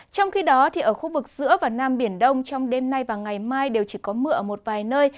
trong khi đó ở khu vực giữa và nam biển đông trong đêm nay và ngày mai đều chỉ có mưa ở một vài nơi